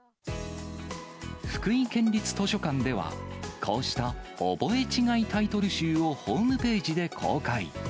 福井県立図書館では、こうした覚え違いタイトル集をホームページで公開。